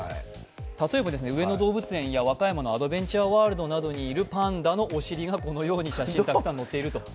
例えば上野動物公園や和歌山アドベンチャーワールドのパンダのお尻がこのように写真たくさん載っていると。